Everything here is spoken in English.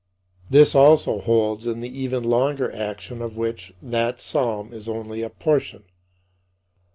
This also holds in the even longer action of which that psalm is only a portion.